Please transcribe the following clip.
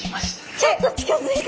ちょっと近づいた？